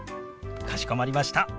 かしこまりました。